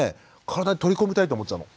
体に取り込みたいと思っちゃうの。